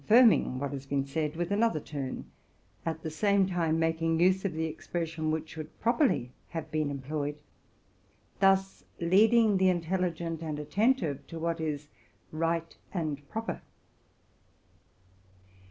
T firming, what has been said with another turn, at the same time making use of the expression which should properly have been employed, thus leading the intelligent and the attentive to what is right and proper.